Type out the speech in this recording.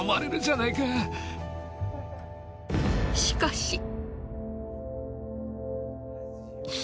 しかし。